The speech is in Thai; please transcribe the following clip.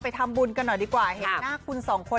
จะไปทำบุญกนหน่อยดีกว่าให้น่ากุญ๒คน